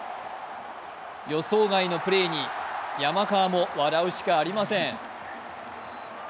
予想外のプレーに山川も笑うしかありません。